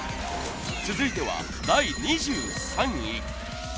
続いては第２３位。